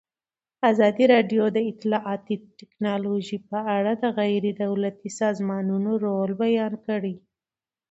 ازادي راډیو د اطلاعاتی تکنالوژي په اړه د غیر دولتي سازمانونو رول بیان کړی.